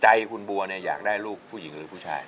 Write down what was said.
ใจคุณบัวเนี่ยอยากได้ลูกผู้หญิงหรือผู้ชาย